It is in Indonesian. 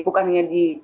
bukan hanya di